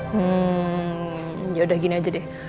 hmm yaudah gini aja deh